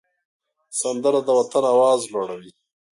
سندره د وطن آواز لوړوي